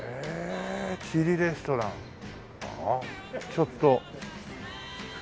ちょっと。